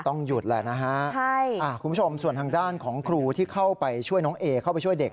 ต้องหยุดแหละนะฮะคุณผู้ชมส่วนทางด้านของครูที่เข้าไปช่วยน้องเอเข้าไปช่วยเด็ก